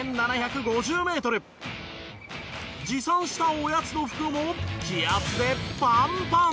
持参したおやつの袋も気圧でパンパン！